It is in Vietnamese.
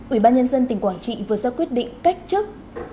ủy ban nhân dân tỉnh quảng trị vừa ra quyết định cách chức